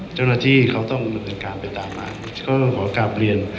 เจ้าหน้าที่เขาต้องกำหนดการไปตามมาเขาต้องขอออกกลับเรียน